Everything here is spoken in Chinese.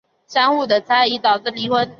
相互的猜疑导致离婚。